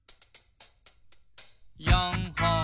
「４ほん」